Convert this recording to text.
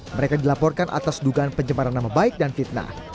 mereka dilaporkan atas dugaan pencemaran nama baik dan fitnah